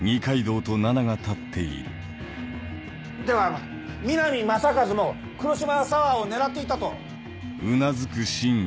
では南雅和も黒島沙和を狙っていたと？